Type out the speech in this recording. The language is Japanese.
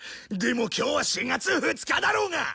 でも今日は４月２日だろうが！